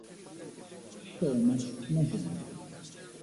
Thomas Mason